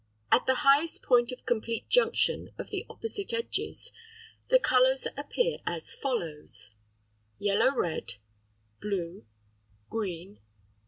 At the highest point of complete junction of the opposite edges, the colours appear as follows (216): Yellow red. Blue. Green.